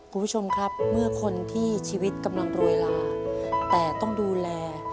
คุณผู้ชมครับเมื่อคนที่ชีวิตกำลังรวยลาแต่ต้องดูแล